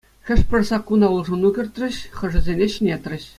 Хӑш-пӗр саккуна улшӑну кӗртрӗҫ, хӑшӗсене ҫӗнетрӗҫ.